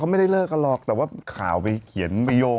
ไม่ได้เลิกกันหรอกแต่ว่าข่าวไปเขียนไปโยง